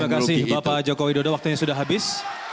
terima kasih bapak joko widodo waktunya sudah habis